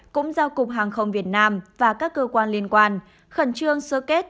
cũng giao cục hàng không việt nam và các cơ quan liên quan khẩn trương sơ kết